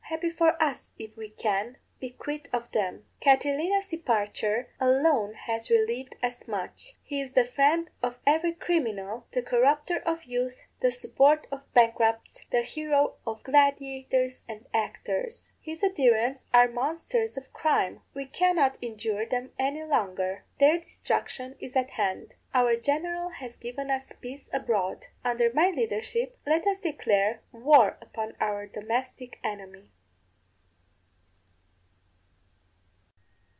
Happy for us if we can be quit of them! Catilina's departure alone has relieved us much. He is the friend of every criminal, the corrupter of youth, the support of bankrupts, the hero of gladiators and actors. His adherents are monsters of crime; we cannot endure them any longer. Their destruction is at hand. Our general has given us peace abroad; under my leadership let us declare war upon our domestic enemy.